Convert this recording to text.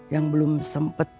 yang belum sempet